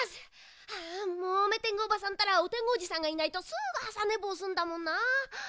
あもうメテングおばさんったらオテングおじさんがいないとすぐあさねぼうすんだもんな。